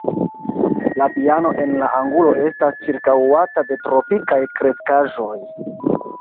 La piano en la angulo estas ĉirkaŭata de tropikaj kreskaĵoj.